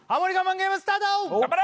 ゲームスタート頑張れ！